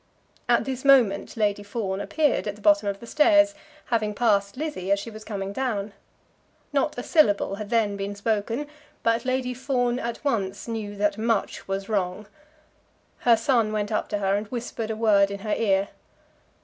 At this moment Lady Fawn appeared at the bottom of the stairs, having passed Lizzie as she was coming down. Not a syllable had then been spoken, but Lady Fawn at once knew that much was wrong. Her son went up to her and whispered a word in her ear.